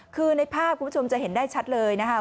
คือในภาพคุณผู้ชมจะเห็นได้ชัดเลยนะคะ